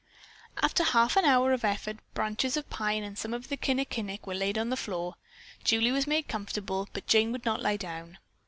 After half an hour of effort branches of pine and some of the kinnikinick were laid on the floor, Julie was made comfortable, but Jane would not lie down.